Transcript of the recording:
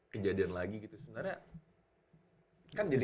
kejadian lagi gitu sebenarnya kan jadi